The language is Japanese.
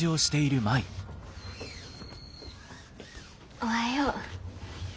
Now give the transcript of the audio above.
おはよう。